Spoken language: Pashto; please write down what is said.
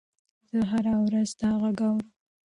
زه هره ورځ دا غږ اورم.